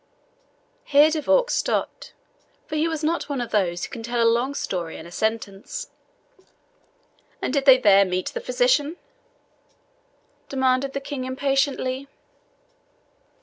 Here De Vaux stopped, for he was not one of those who can tell a long story in a sentence. "And did they there meet the physician?" demanded the King impatiently.